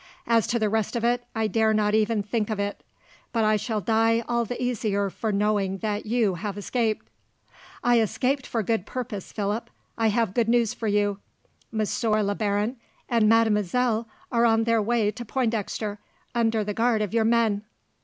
As to the rest of it, I dare not even think of it; but I shall die all the easier for knowing that you have escaped." "I escaped for a good purpose, Philip. I have good news for you. Monsieur le Baron and mademoiselle are on their way to Pointdexter, under the guard of your men."